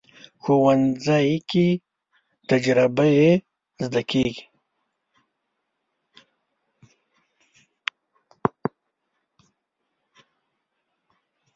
ښوونځی کې تجربې زده کېږي